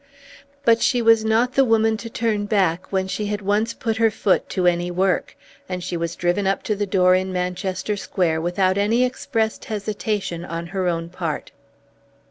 But she was not the woman to turn back when she had once put her foot to any work; and she was driven up to the door in Manchester Square without any expressed hesitation on her own part.